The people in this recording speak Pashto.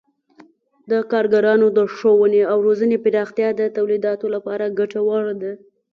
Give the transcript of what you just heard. د کارګرانو د ښوونې او روزنې پراختیا د تولیداتو لپاره ګټوره ده.